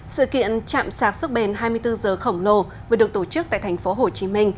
sự kiện chạm sạc sức bền hai mươi bốn h khổng lồ vừa được tổ chức tại tp hcm